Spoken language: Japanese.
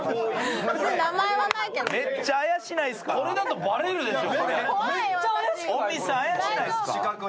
これだとバレるでしょ。